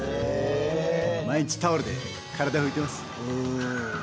毎日タオルで体を拭いてます。